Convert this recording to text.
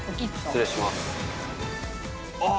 失礼します。